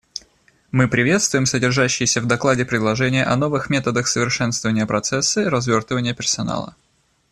Мы приветствуем содержащиеся в докладе предложения о новых методах совершенствования процесса развертывания персонала.